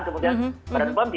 kemudian badan pom